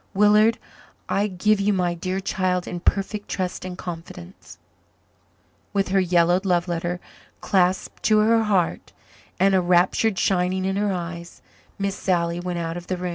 Willard, I give you my dear child in perfect trust and confidence." With her yellowed love letter clasped to her heart, and a raptured shining in her eyes, Miss Sally went out of the room.